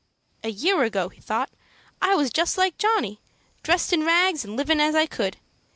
"A year ago," he thought, "I was just like Johnny, dressed in rags, and livin' as I could.